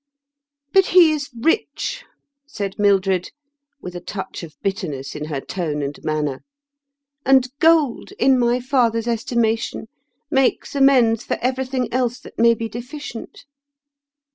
" But he is rich," said Mildred, with a touch of bitterness in her tone and manner, "and gold, in my father's estimation, makes amends for everything else that may be deficient."